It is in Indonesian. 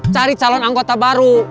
cari calon anggota baru